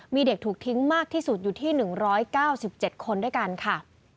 มีเด็กถูกทิ้งมากที่สุดอยู่ที่๑๙๗คนด้วยกันค่ะ